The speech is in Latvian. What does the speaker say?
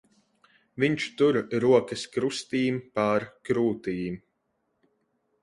Viņš tur rokas krustīm pār krūtīm.